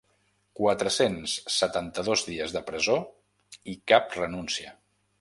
Quatre-cents setanta-dos dies de presó i cap renúncia.